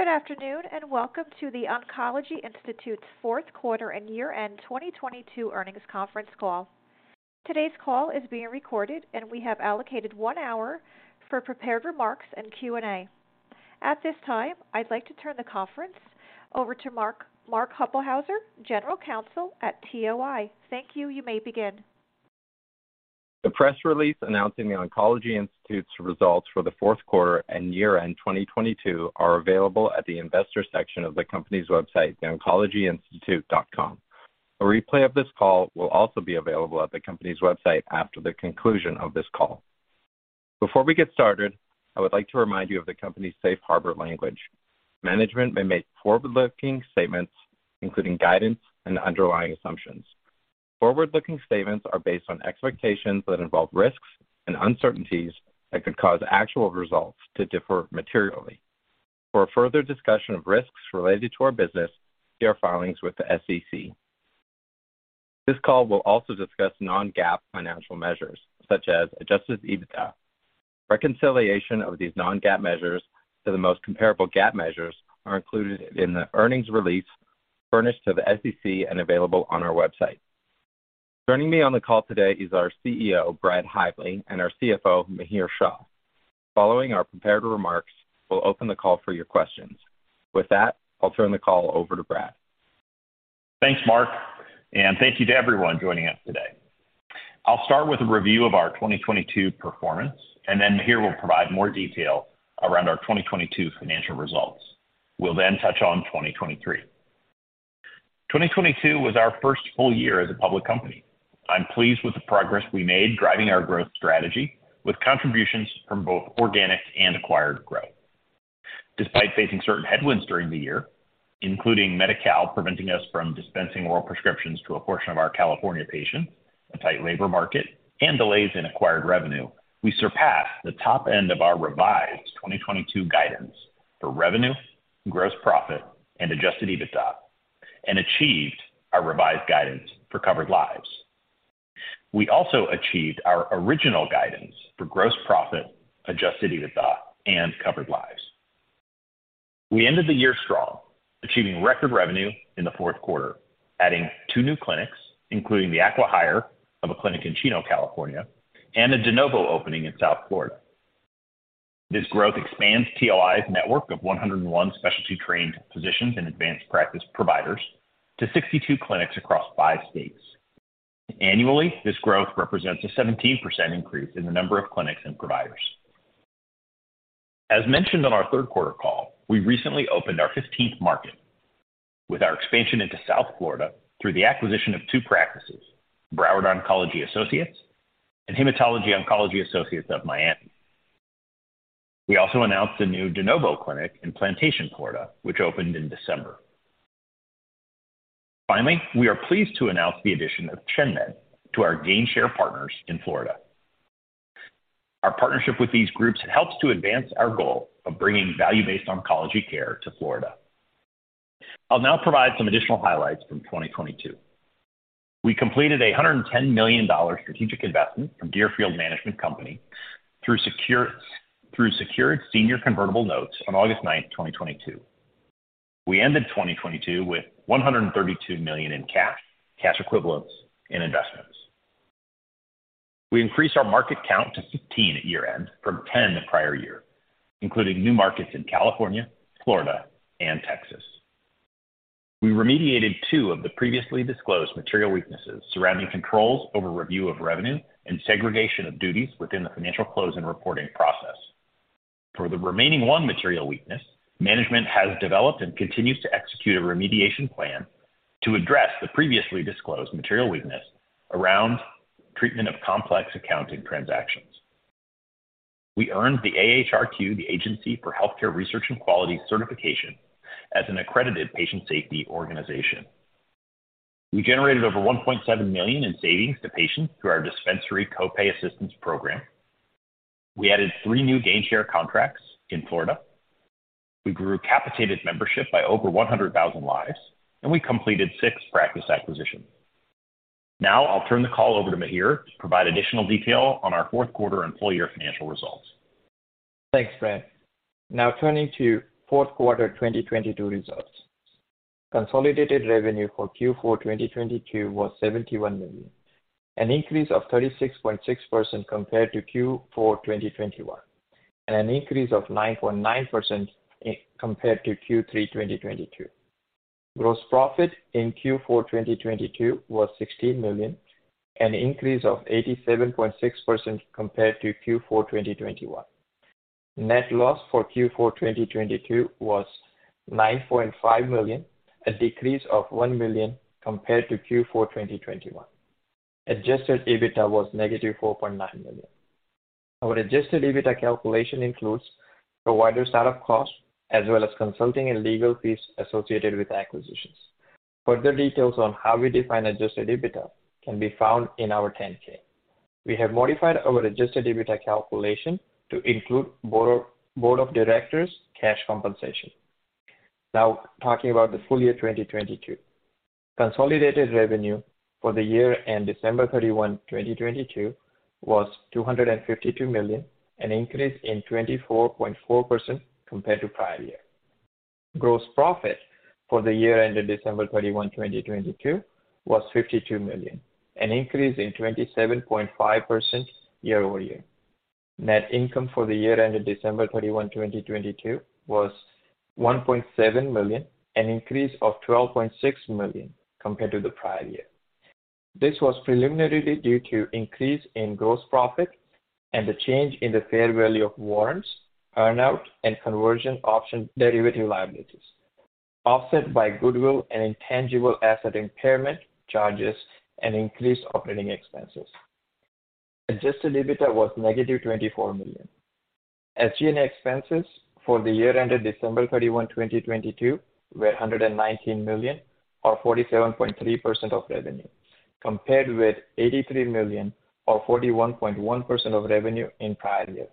Good afternoon, welcome to The Oncology Institute's Q4 and year-end 2022 earnings conference call. Today's call is being recorded, we have allocated one hour for prepared remarks and Q&A. At this time, I'd like to turn the conference over to Mark Hueppelsheuser, General Counsel at TOI. Thank you. You may begin. The press release announcing The Oncology Institute's results for the Q4 and year-end 2022 are available at the investor section of the company's website, theoncologyinstitute.com. A replay of this call will also be available at the company's website after the conclusion of this call. Before we get started, I would like to remind you of the company's safe harbor language. Management may make forward-looking statements, including guidance and underlying assumptions. Forward-looking statements are based on expectations that involve risks and uncertainties that could cause actual results to differ materially. For a further discussion of risks related to our business, see our filings with the SEC. This call will also discuss non-GAAP financial measures such as adjusted EBITDA. Reconciliation of these non-GAAP measures to the most comparable GAAP measures are included in the earnings release furnished to the SEC and available on our website. Joining me on the call today is our CEO, Brad Hively, and our CFO, Mihir Shah. Following our prepared remarks, we'll open the call for your questions. With that, I'll turn the call over to Brad. Thanks, Mark, and thank you to everyone joining us today. I'll start with a review of our 2022 performance, and then Mihir will provide more detail around our 2022 financial results. We'll then touch on 2023. 2022 was our first full year as a public company. I'm pleased with the progress we made driving our growth strategy with contributions from both organic and acquired growth. Despite facing certain headwinds during the year, including Medi-Cal preventing us from dispensing oral prescriptions to a portion of our California patients, a tight labor market, and delays in acquired revenue, we surpassed the top end of our revised 2022 guidance for revenue, gross profit, and adjusted EBITDA, and achieved our revised guidance for covered lives. We also achieved our original guidance for gross profit, adjusted EBITDA, and covered lives. We ended the year strong, achieving record revenue in the Q2, adding two new clinics, including the acqui-hire of a clinic in Chino, California, and a de novo opening in South Florida. This growth expands TOI's network of 101 specialty-trained physicians and advanced practice providers to 62 clinics across five states. Annually, this growth represents a 17% increase in the number of clinics and providers. As mentioned on our Q3 call, we recently opened our fifteenth market with our expansion into South Florida through the acquisition of two practices, Broward Oncology Associates and Hematology/Oncology Associates of Miami. We also announced a new de novo clinic in Plantation, Florida, which opened in December. We are pleased to announce the addition of ChenMed to our gain share partners in Florida. Our partnership with these groups helps to advance our goal of bringing value-based oncology care to Florida. I'll now provide some additional highlights from 2022. We completed a $110 million strategic investment from Deerfield Management Company through secured senior convertible notes on August 9, 2022. We ended 2022 with $132 million in cash equivalents and investments. We increased our market count to 15 at year-end from 10 the prior year, including new markets in California, Florida, and Texas. We remediated two of the previously disclosed material weaknesses surrounding controls over review of revenue and segregation of duties within the financial close and reporting process. For the remaining one material weakness, management has developed and continues to execute a remediation plan to address the previously disclosed material weakness around treatment of complex accounting transactions. We earned the AHRQ, the Agency for Healthcare Research and Quality certification as an accredited patient safety organization. We generated over $1.7 million in savings to patients through our dispensary co-pay assistance program. We added three new gain share contracts in Florida. We grew capitated membership by over 100,000 lives, and we completed six practice acquisitions. Now, I'll turn the call over to Mihir to provide additional detail on our Q4 and full year financial results. Thanks, Brad. Turning to Q4 2022 results. Consolidated revenue for Q4 2022 was $71 million, an increase of 36.6% compared to Q4 2021, and an increase of 9.9% compared to Q3 2022. Gross profit in Q4 2022 was $16 million, an increase of 87.6% compared to Q4 2021. Net loss for Q4 2022 was $9.5 million, a decrease of $1 million compared to Q4 2021. Adjusted EBITDA was $-4.9 million. Our adjusted EBITDA calculation includes provider start-up costs as well as consulting and legal fees associated with acquisitions. Further details on how we define adjusted EBITDA can be found in our 10-K. We have modified our adjusted EBITDA calculation to include board of directors' cash compensation. Talking about the full-year 2022. Consolidated revenue for the year-end December 31, 2022, was $252 million, an increase in 24.4% compared to prior year. Gross profit for the year ended December 31, 2022, was $52 million, an increase in 27.5% year-over-year. Net income for the year ended December 31, 2022, was $1.7 million, an increase of $12.6 million compared to the prior year. This was preliminarily due to increase in gross profit and the change in the fair value of warrants, earnout and conversion option derivative liabilities, offset by goodwill and intangible asset impairment charges and increased operating expenses. Adjusted EBITDA was $-24 million. SG&A expenses for the year ended December 31, 2022, were $119 million or 47.3% of revenue, compared with $83 million or 41.1% of revenue in prior year.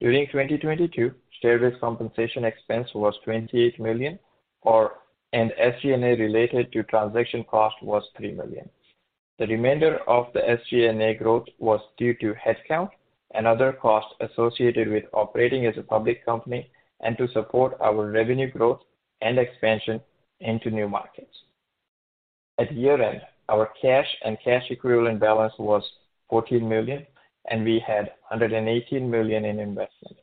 During 2022, share-based compensation expense was $28 million. SG&A related to transaction cost was $3 million. The remainder of the SG&A growth was due to headcount and other costs associated with operating as a public company and to support our revenue growth and expansion into new markets. At year-end, our cash and cash equivalent balance was $14 million, and we had $118 million in investments.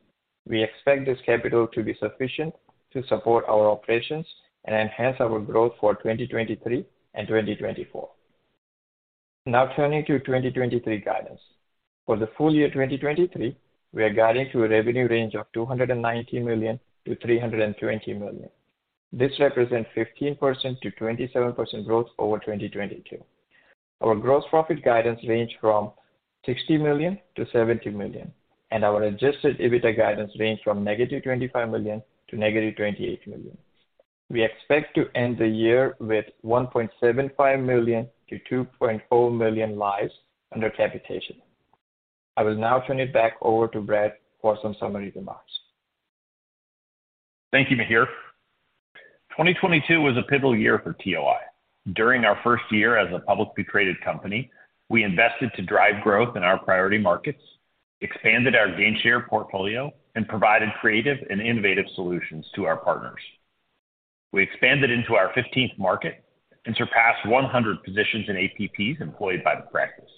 We expect this capital to be sufficient to support our operations and enhance our growth for 2023 and 2024. Turning to 2023 guidance. For the full-year 2023, we are guiding to a revenue range of $290 million-$320 million. This represents 15%-27% growth over 2022. Our gross profit guidance ranges from $60 million-$70 million, and our adjusted EBITDA guidance range from -$25 million to -$28 million. We expect to end the year with 1.75 million-2.4 million lives under capitation. I will now turn it back over to Brad for some summary remarks. Thank you, Mihir. 2022 was a pivotal year for TOI. During our first year as a publicly traded company, we invested to drive growth in our priority markets, expanded our gain share portfolio, and provided creative and innovative solutions to our partners. We expanded into our 15th market and surpassed 100 positions in APPs employed by the practice.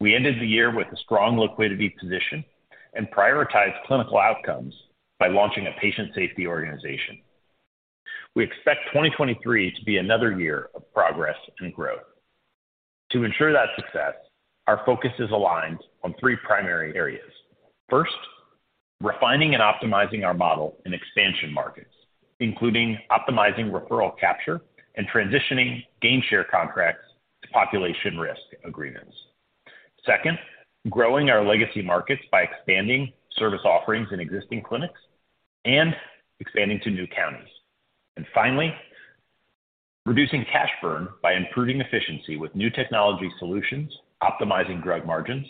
We ended the year with a strong liquidity position and prioritized clinical outcomes by launching a patient safety organization. We expect 2023 to be another year of progress and growth. To ensure that success, our focus is aligned on thee primary areas. First, refining and optimizing our model in expansion markets, including optimizing referral capture and transitioning gain share contracts to population risk agreements. Second, growing our legacy markets by expanding service offerings in existing clinics and expanding to new counties. Finally, reducing cash burn by improving efficiency with new technology solutions, optimizing drug margins,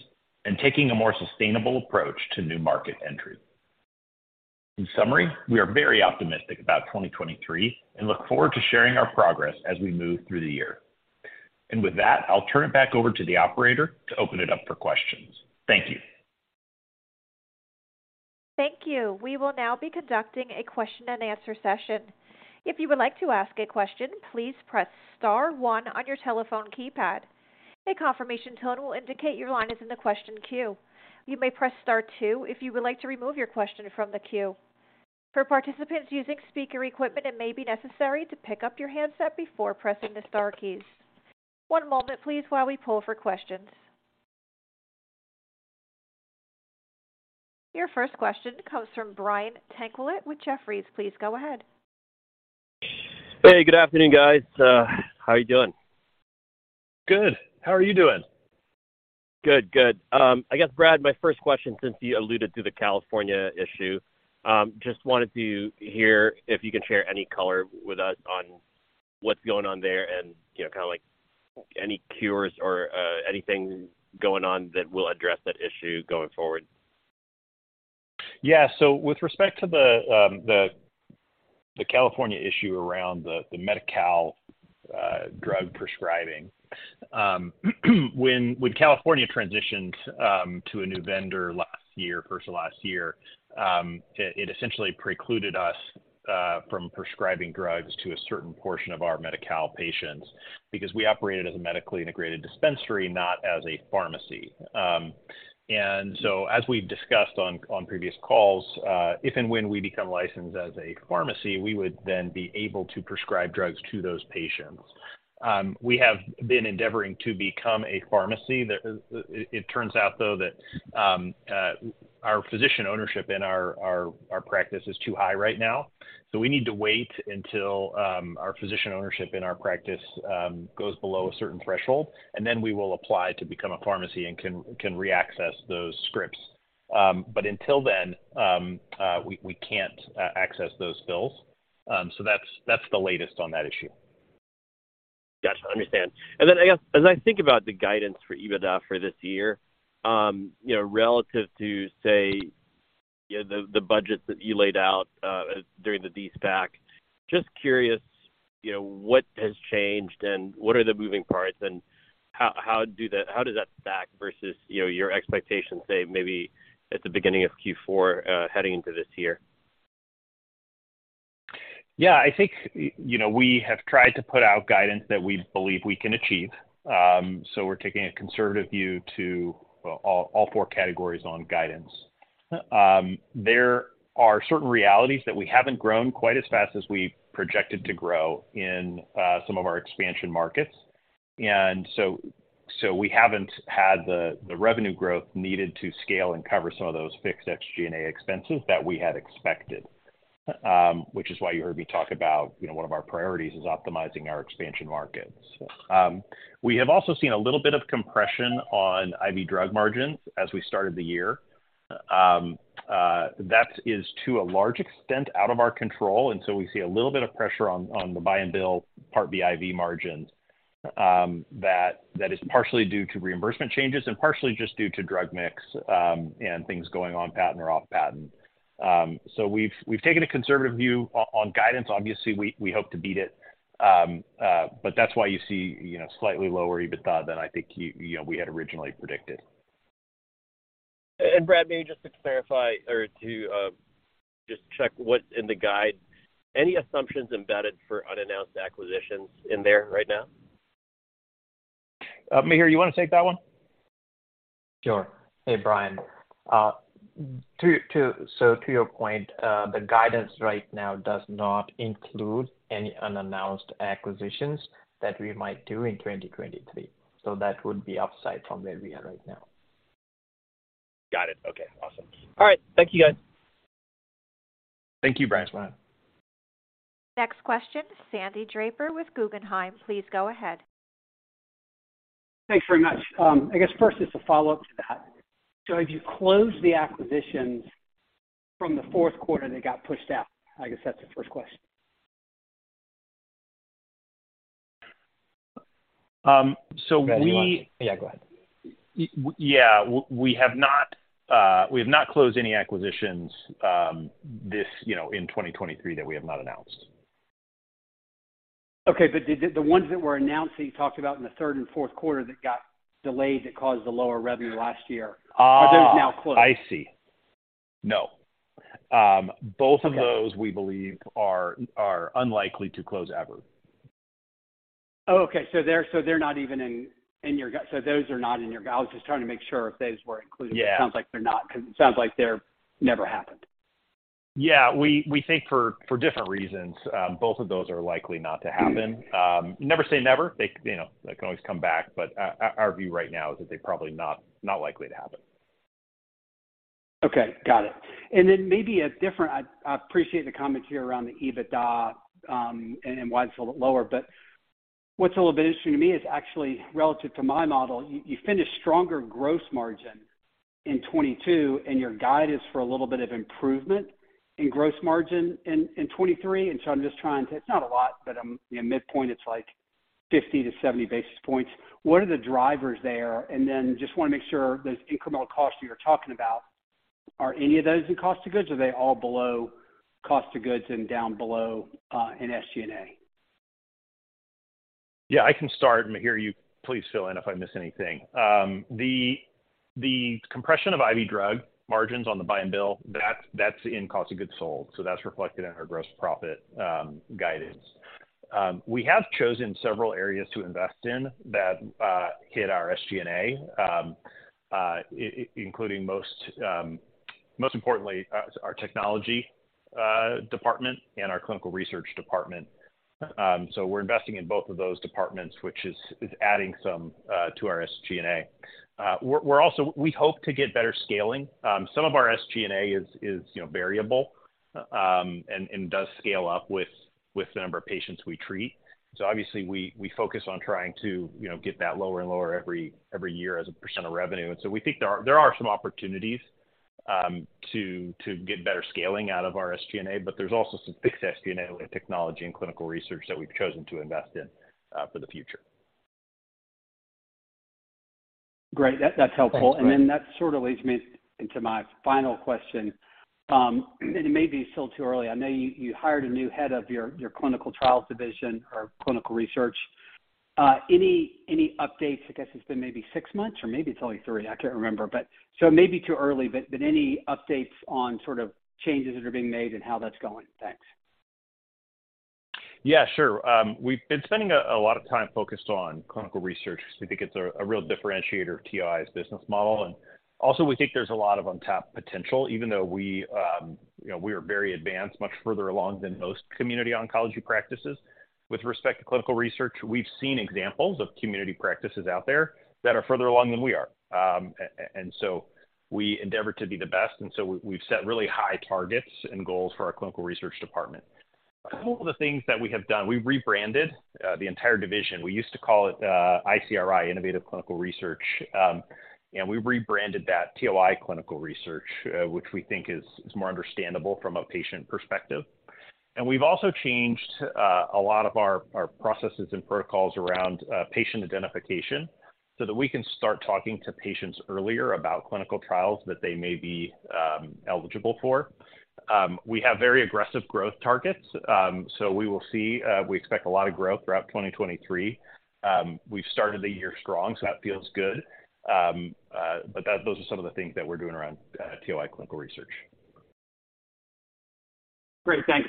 and taking a more sustainable approach to new market entry. In summary, we are very optimistic about 2023 and look forward to sharing our progress as we move through the year. With that, I'll turn it back over to the operator to open it up for questions. Thank you. Thank you. We will now be conducting a question-and-answer session. If you would like to ask a question, please press star one on your telephone keypad. A confirmation tone will indicate your line is in the question queue. You may press star two if you would like to remove your question from the queue. For participants using speaker equipment, it may be necessary to pick up your handset before pressing the star keys. One moment please while we pull for questions. Your first question comes from Brian Tanquilut with Jefferies. Please go ahead. Good afternoon, guys. How are you doing? Good. How are you doing? Good. I guess, Brad, my first question, since you alluded to the California issue, just wanted to hear if you can share any color with us on what's going on there and, you know, kind of like any cures or anything going on that will address that issue going forward? With respect to the California issue around the Medi-Cal drug prescribing, when California transitioned to a new vendor last year, first of last year, it essentially precluded us from prescribing drugs to a certain portion of our Medi-Cal patients because we operated as a medically integrated dispensary, not as a pharmacy. As we've discussed on previous calls, if and when we become licensed as a pharmacy, we would then be able to prescribe drugs to those patients. We have been endeavoring to become a pharmacy. It turns out, though, that our physician ownership in our practice is too high right now. We need to wait until our physician ownership in our practice goes below a certain threshold, and then we will apply to become a pharmacy and can reaccess those scripts. Until then, we can't access those bills. That's the latest on that issue. Gotcha. Understand. I guess, as I think about the guidance for EBITDA for this year, you know, relative to, Yeah, the budgets that you laid out during the De-SPAC. Just curious, you know, what has changed and what are the moving parts and how does that stack versus, you know, your expectations, say, maybe at the beginning of Q4 heading into this year? I think, you know, we have tried to put out guidance that we believe we can achieve. We're taking a conservative view to all four categories on guidance. There are certain realities that we haven't grown quite as fast as we projected to grow in some of our expansion markets. We haven't had the revenue growth needed to scale and cover some of those fixed SG&A expenses that we had expected, which is why you heard me talk about, you know, one of our priorities is optimizing our expansion markets. We have also seen a little bit of compression on IV drug margins as we started the year. That is to a large extent out of our control. We see a little bit of pressure on the buy and bill Part B IV margins, that is partially due to reimbursement changes and partially just due to drug mix, and things going on patent or off patent. We've taken a conservative view on guidance. Obviously, we hope to beat it. That's why you see, you know, slightly lower EBITDA than I think you know, we had originally predicted. Brad, maybe just to clarify or to, just check what's in the guide, any assumptions embedded for unannounced acquisitions in there right now? Mihir, you want to take that one? Sure. Hey, Brian. To your point, the guidance right now does not include any unannounced acquisitions that we might do in 2023. That would be upside from where we are right now. Got it. Okay, awesome. All right. Thank you, guys. Thank you, Brian. Next question, Sandy Draper with Guggenheim. Please go ahead. Thanks very much. I guess first just a follow-up to that. If you close the acquisitions from the Q4 that got pushed out, I guess that's the first question? Um, so we- Yeah, go ahead. Yeah. We have not closed any acquisitions, this, you know, in 2023 that we have not announced. Okay. The ones that were announced that you talked about in the Q3 and Q4 that got delayed that caused the lower revenue last year- Ahhh. Are those now closed? I see. No. Both of those we believe are unlikely to close ever. Oh, okay. Those are not in your guide. I was just trying to make sure if those were included? Yeah. It sounds like they're not, because it sounds like they're never happened. Yeah. We think for different reasons, both of those are likely not to happen. Never say never. They, you know, they can always come back. Our view right now is that they're probably not likely to happen. Okay. Got it. Maybe different. I appreciate the comments here around the EBITDA, and why it's a little lower. What's a little bit interesting to me is actually relative to my model, you finished stronger gross margin in 2022, and your guide is for a little bit of improvement in gross margin in 2023. I'm just trying to. It's not a lot, but, you know, midpoint, it's like 50 to 70 basis points. What are the drivers there? Just want to make sure those incremental costs you're talking about, are any of those in cost of goods, or are they all below cost of goods and down below in SG&A? Yeah, I can start. Mihir, you please fill in if I miss anything. The compression of IV drug margins on the buy-and-bill, that's in cost of goods sold, so that's reflected in our gross profit guidance. We have chosen several areas to invest in that hit our SG&A, including most importantly, our technology department and our clinical research department. We're investing in both of those departments, which is adding some to our SG&A. We're also we hope to get better scaling. Some of our SG&A is, you know, variable, and does scale up with the number of patients we treat. Obviously, we focus on trying to, you know, get that lower and lower every year as a percent of revenue. We think there are some opportunities to get better scaling out of our SG&A, but there's also some fixed SG&A with technology and clinical research that we've chosen to invest in for the future. Great. That's helpful. Thanks, Sandy. That sort of leads me into my final question. It may be still too early. I know you hired a new head of your clinical trials division or clinical research. Any updates? I guess it's been maybe 6 months or maybe it's only three. I can't remember. It may be too early, but any updates on sort of changes that are being made and how that's going? Thanks. Yeah, sure. We've been spending a lot of time focused on clinical research because we think it's a real differentiator of TOI's business model. Also, we think there's a lot of untapped potential, even though we, you know, we are very advanced, much further along than most community oncology practices. With respect to clinical research, we've seen examples of community practices out there that are further along than we are. So, we endeavor to be the best, and so we've set really high targets and goals for our clinical research department. A couple of the things that we have done, we rebranded the entire division. We used to call it ICRI, Innovative Clinical Research, and we rebranded that TOI Clinical Research, which we think is more understandable from a patient perspective. We've also changed a lot of our processes and protocols around patient identification so that we can start talking to patients earlier about clinical trials that they may be eligible for. We have very aggressive growth targets, we will see. We expect a lot of growth throughout 2023. We've started the year strong, that feels good. Those are some of the things that we're doing around TOI Clinical Research. Great. Thanks.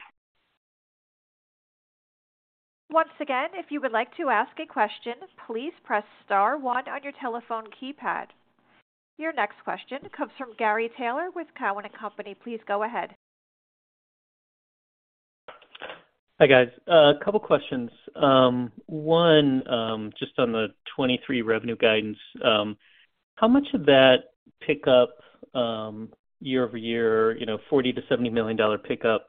Once again, if you would like to ask a question, please press star one on your telephone keypad. Your next question comes from Gary Taylor with Cowen and Company. Please go ahead. Hi, guys. A couple questions. One, just on the 2023 revenue guidance, how much of that pickup, year-over-year, you know, $40 million-$70 million pickup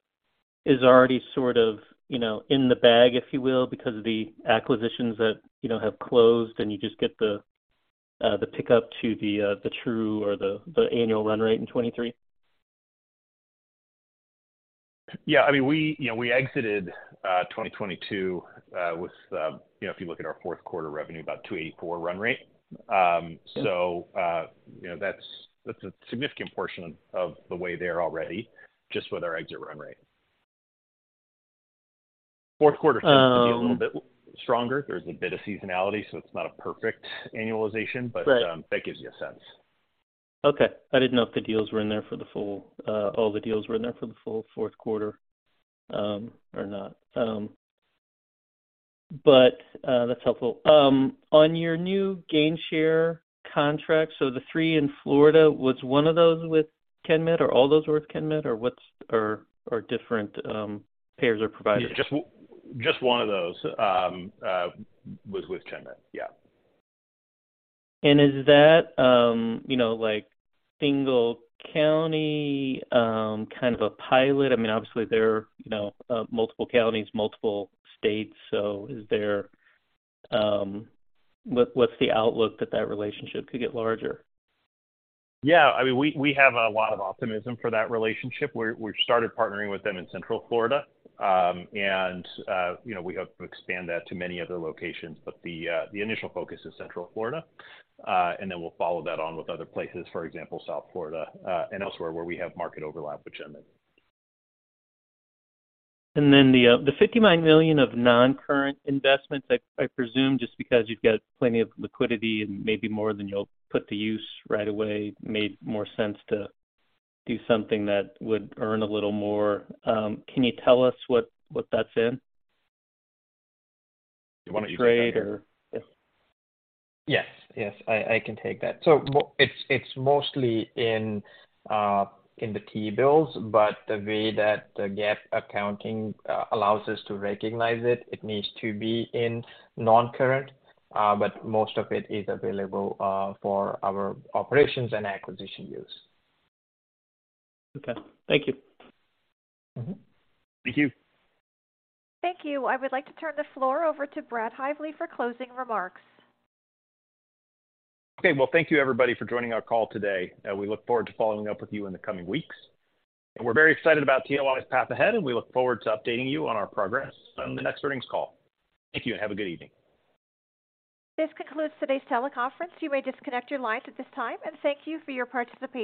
is already sort of, you know, in the bag, if you will, because of the acquisitions that, you know, have closed and you just get the pickup to the true or the annual run rate in 2023? Yeah, I mean, we, you know, we exited 2022 with, you know, if you look at our Q4 revenue, about $284 million run rate. You know, that's a significant portion of the way there already, just with our exit run rate. Q4 seems to be a little bit stronger. There's a bit of seasonality, so it's not a perfect annualization. Right. That gives you a sense. Okay. I didn't know if all the deals were in there for the full Q4 or not. That's helpful. On your new gain share contracts, the three in Florida, was one of those with ChenMed or all those were with ChenMed or what's or different payers or providers? Just one of those was with ChenMed, yeah. Is that, you know, like, single county, kind of a pilot? I mean, obviously there are, you know, multiple counties, multiple states. What's the outlook that that relationship could get larger? Yeah. I mean, we have a lot of optimism for that relationship. We've started partnering with them in Central Florida. And, you know, we hope to expand that to many other locations. The initial focus is Central Florida, and then we'll follow that on with other places, for example, South Florida, and elsewhere where we have market overlap with ChenMed. The $59 million of non-current investments, I presume just because you've got plenty of liquidity and maybe more than you'll put to use right away, made more sense to do something that would earn a little more. Can you tell us what that's in? Why don't you take that, Mihir? Trade. Yes, I can take that. It's mostly in the T-bills, but the way that the GAAP accounting allows us to recognize it needs to be in non-current, but most of it is available for our operations and acquisition use. Okay. Thank you. Thank you. Thank you. I would like to turn the floor over to Brad Hively for closing remarks. Okay. Well, thank you everybody for joining our call today. We look forward to following up with you in the coming weeks. We're very excited about TOI's path ahead, and we look forward to updating you on our progress on the next earnings call. Thank you and have a good evening. This concludes today's teleconference. You may disconnect your lines at this time. Thank you for your participation.